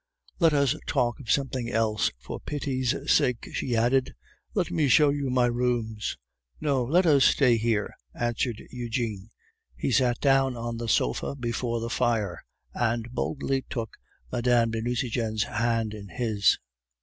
Let us talk of something else, for pity's sake," she added. "Let me show you my rooms." "No; let us stay here," answered Eugene; he sat down on the sofa before the fire, and boldly took Mme. de Nucingen's hand in his.